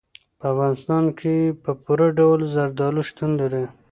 په افغانستان کې په پوره ډول زردالو شتون لري.